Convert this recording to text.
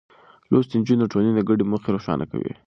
لوستې نجونې د ټولنې ګډې موخې روښانه کوي.